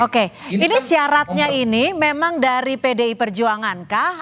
oke ini syaratnya ini memang dari pdi perjuangan kah